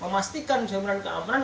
memastikan jaminan keamanan